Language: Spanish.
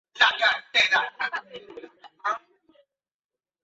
Fue rehabilitado póstumamente.